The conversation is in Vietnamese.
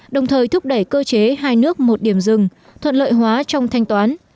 đồng thời thúc đẩy cơ chế hai nước một điểm rừng thuận lợi hóa trong thanh toán